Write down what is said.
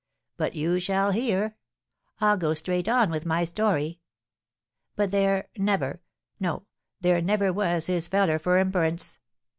But you shall hear, I'll go straight on with my story. But there never, no, there never was his feller for inperence!